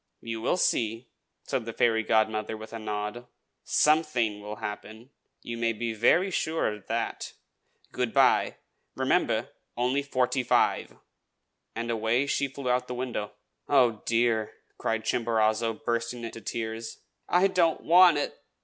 "You will see!" said the fairy godmother, with a nod. "Something will happen, you may be very sure of that. Good by. Remember, only forty five!" And away she flew out of the window. "Oh, dear!" cried Chimborazo, bursting into tears. "I don't want it!